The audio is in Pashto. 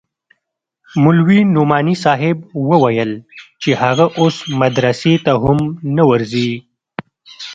مولوي نعماني صاحب وويل چې هغه اوس مدرسې ته هم نه ورځي.